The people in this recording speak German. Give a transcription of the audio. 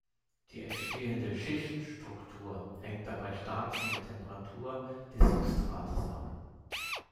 Die entstehende Schichtstruktur hängt dabei stark von der Temperatur des Substrates ab.